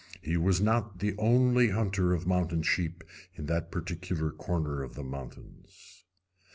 He was not the only hunter of mountain sheep in that particular corner of the mountains.